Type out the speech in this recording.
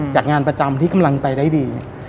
จากงานประจำที่กำลังไปได้ดี